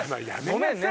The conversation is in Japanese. ごめんね